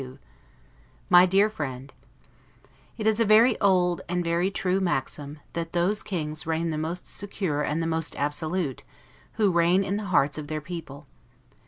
S. 1752 MY DEAR FRIEND: It is a very old and very true maxim, that those kings reign the most secure and the most absolute, who reign in the hearts of their people.